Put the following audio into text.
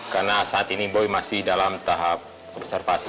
karena saat ini boy masih dalam tahap observasi